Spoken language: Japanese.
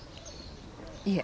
いえ。